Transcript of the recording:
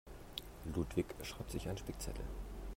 Ludwig schreibt sich einen Spickzettel.